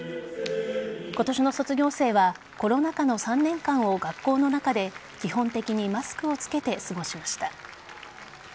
今年の卒業生はコロナ禍の３年間を学校の中で基本的にマスクをつけて過ごしました。